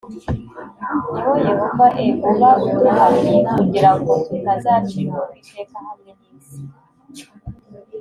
Ni yehova e uba uduhannye kugira ngo tutazacirwaho iteka hamwe n isi